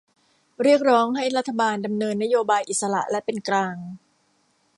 เรียกร้องให้รัฐบาลดำเนินนโยบายอิสระและเป็นกลาง